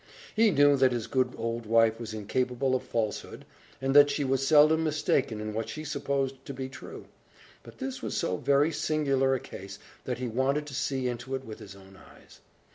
He knew that his good old wife was incapable of falsehood, and that she was seldom mistaken in what she supposed to be true; but this was so very singular a case, that he wanted to see into it with his own eyes.